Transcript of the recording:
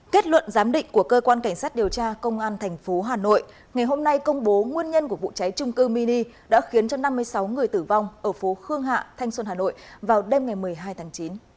kết luận giám định của cơ quan cảnh sát điều tra công an tp hà nội ngày hôm nay công bố nguyên nhân của vụ cháy trung cư mini đã khiến cho năm mươi sáu người tử vong ở phố khương hạ thanh xuân hà nội vào đêm ngày một mươi hai tháng chín